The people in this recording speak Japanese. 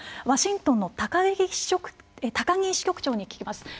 ワシントンの高木支局長に聞きます。